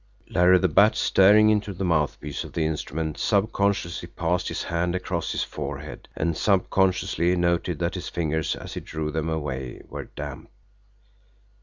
Larry the Bat, staring into the mouthpiece of the instrument, subconsciously passed his hand across his forehead, and subconsciously noted that his fingers, as he drew them away, were damp.